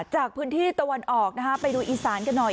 จากพื้นที่ตะวันออกนะคะไปดูอีสานกันหน่อย